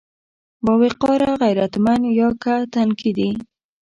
باوقاره، غيرتمن يا که تنکي دي؟